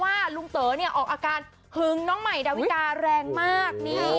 เพราะว่าลุงเต๋อเนี่ยออกอาการหึงน้องใหม่ดาวิกาแรงมาก